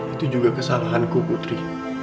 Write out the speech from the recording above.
itu juga kesalahanku putri